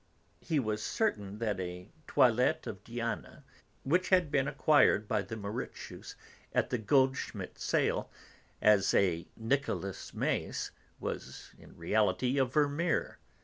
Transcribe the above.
He was certain that a 'Toilet of Diana' which had been acquired by the Mauritshuis at the Goldschmidt sale as a Nicholas Maes was in reality a Vermeer.